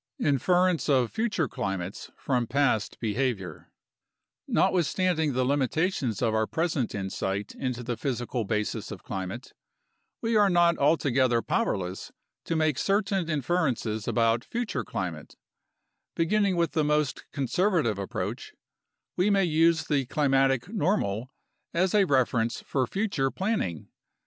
INFERENCE OF FUTURE CLIMATES FROM PAST BEHAVIOR Notwithstanding the limitations of our present insight into the physical basis of climate, we are not altogether powerless to make certain in PAST CLIMATIC VARIATIONS— PROJECTION OF FUTURE CLIMATES 41 ferences about future climate. Beginning with the most conservative approach, we may use the climatic "normal" as a reference for future planning.